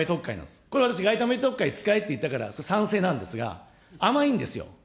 これは私、外為特会使えて言ったから、賛成なんですが、甘いんですよ。